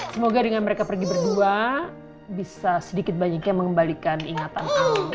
semoga dengan mereka pergi berdua bisa sedikit banyaknya mengembalikan ingatan aku